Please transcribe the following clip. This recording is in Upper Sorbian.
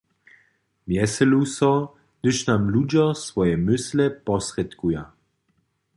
Wjeselu so, hdyž nam ludźo swoje mysle posrědkuja.